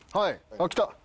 あっ来た。